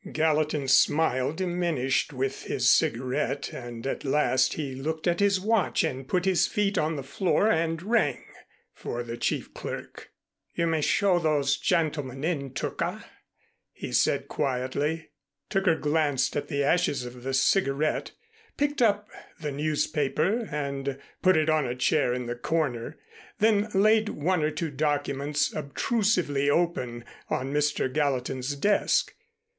Gallatin's smile diminished with his cigarette, and at last he looked at his watch and put his feet on the floor and rang for the chief clerk. "You may show those gentlemen in, Tooker," he said quietly. Tooker glanced at the ashes of the cigarette, picked up the newspaper and put it on a chair in the corner, then laid one or two documents obtrusively open, on Mr. Gallatin's desk.